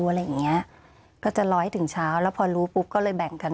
อะไรอย่างเงี้ยก็จะร้อยถึงเช้าแล้วพอรู้ปุ๊บก็เลยแบ่งกัน